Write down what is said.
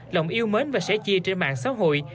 lòng yêu mến và sẻ chia trên mạng xã hội